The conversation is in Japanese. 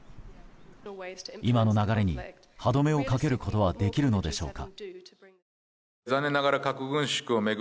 今の流れに歯止めをかけることはできるのでしょうか。